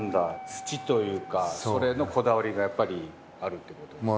土というか、それのこだわりがやっぱりあるってことですか。